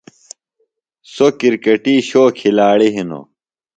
سو کِرکٹی شو کِھلاڑیۡ ہنوۡ۔